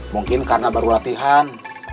mungkin karena baru latihan